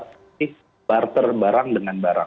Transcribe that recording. tapi barter barang dengan barang